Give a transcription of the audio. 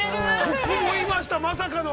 ◆ここもいました、まさかの。